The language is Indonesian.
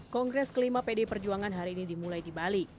kongres kelima pd perjuangan hari ini dimulai di bali